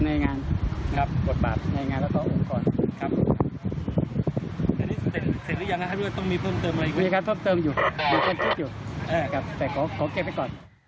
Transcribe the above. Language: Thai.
มีครับเพิ่มเติมอยู่มีเพิ่มเติมอยู่แต่ขอเก็บให้ก่อน